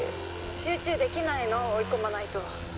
もう集中できないの追い込まないと。